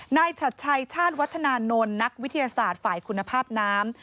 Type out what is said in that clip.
ฉัดชัยชาติวัฒนานนท์นักวิทยาศาสตร์ฝ่ายคุณภาพน้ำ